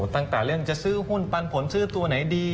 ตั้งแต่เล่นจะซื้อหุ้นปันผลซื้อตัวไหนดี